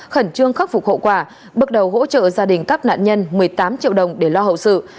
khẩn trương khắc phục hậu quả bước đầu hỗ trợ gia đình các nạn nhân một mươi tám triệu đồng để lo hậu sự